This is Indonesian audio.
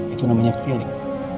itu namanya feeling